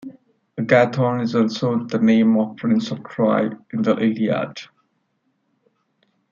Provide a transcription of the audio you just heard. Agathon is also the name of a Prince of Troy in the "Iliad".